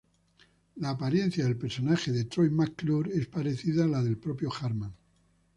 La apariencia del personaje de Troy McClure es parecida a la del propio Hartman.